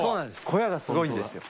小屋がすごいんですよ。